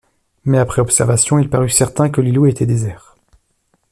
Mais, après observation, il parut certain que l’îlot était désert.